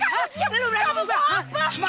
kamu harus pulang kamu harus pulang